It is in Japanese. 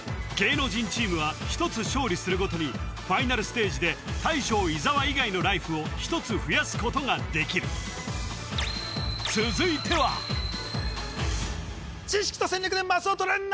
芸能人チームは１つ勝利するごとにファイナルステージで大将・伊沢以外のライフを１つ増やすことができる続いては知識と戦略でマスを取れ！